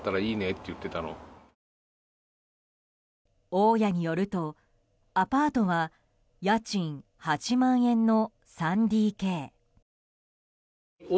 大家によるとアパートは家賃８万円の３ＤＫ。